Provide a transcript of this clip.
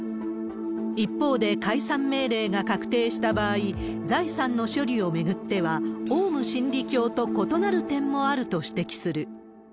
一方で、解散命令が確定した場合、財産の処理を巡っては、オウム真理教と異なる点もあると指摘する。